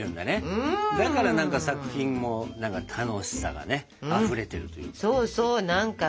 だから何か作品も楽しさがねあふれてるっていうか。